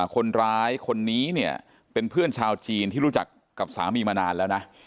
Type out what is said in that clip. คนร้ายคนนี้เนี่ยเป็นเพื่อนชาวจีนที่รู้จักกับสามีมานานแล้วนะ